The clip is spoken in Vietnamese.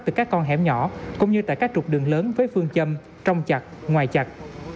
từ các con hẻm nhỏ cũng như tại các trục đường lớn với phương châm trong chặt ngoài chặt